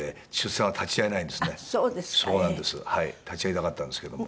立ち会いたかったんですけども。